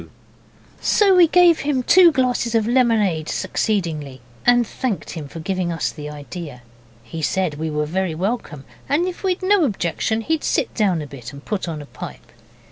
'I don't mind if I do.' So we gave him two glasses of lemonade succeedingly, and thanked him for giving us the idea. He said we were very welcome, and if we'd no objection he'd sit down a bit and put on a pipe.